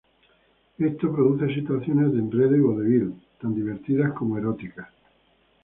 Esto produce situaciones de enredo y vodevil, tan divertidas como eróticas.